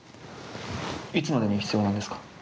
いつまでに必要なんですか？